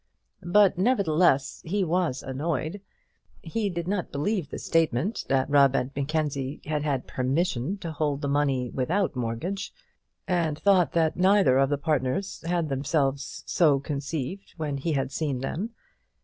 But, nevertheless, he was annoyed. He did not believe the statement that Rubb and Mackenzie had had permission to hold the money without mortgage, and thought that neither of the partners had themselves so conceived when he had seen them.